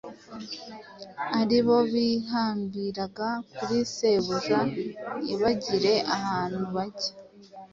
aribo bihambira kuri Shebuja ntibagire ahandi bajya.